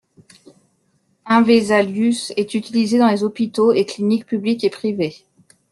InVesalius est utilisé dans les hôpitaux et cliniques publiques et privées.